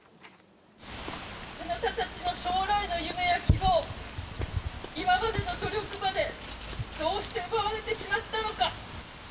あなたたちの将来の夢や希望、今までの努力までどうして奪われてしまったのか。